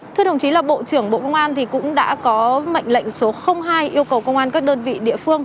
thưa đồng chí là bộ trưởng bộ công an cũng đã có mệnh lệnh số hai yêu cầu công an các đơn vị địa phương